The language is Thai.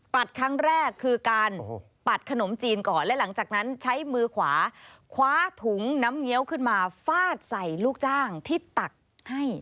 ครั้งแรกคือการปัดขนมจีนก่อนและหลังจากนั้นใช้มือขวาคว้าถุงน้ำเงี้ยวขึ้นมาฟาดใส่ลูกจ้างที่ตักให้